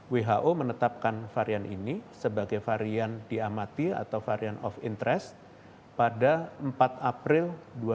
who menetapkan varian ini sebagai varian diamati atau varian of interest pada empat april dua ribu dua puluh